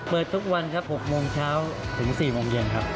ทุกวันครับ๖โมงเช้าถึง๔โมงเย็นครับ